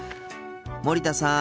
森田さん。